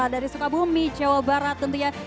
dari sukabumi jawa barat tentunya